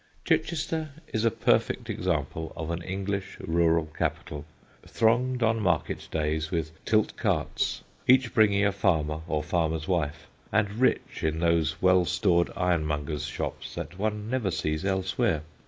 Chichester is a perfect example of an English rural capital, thronged on market days with tilt carts, each bringing a farmer or farmer's wife, and rich in those well stored ironmongers' shops that one never sees elsewhere.